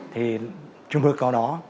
thì trường hợp có nó